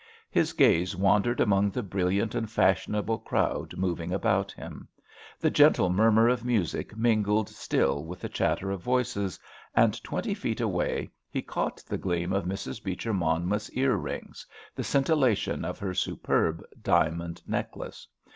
His gaze wandered among the brilliant and fashionable crowd moving about him. The gentle murmur of music mingled still with the chatter of voices, and twenty feet away he caught the gleam of Mrs. Beecher Monmouth's ear rings, the scintillation of her superb diamond necklace.